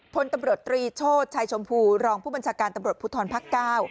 พลตำรวจตรีโชธชายชมพูรองผู้บัญชาการตำรวจภูทรภักดิ์๙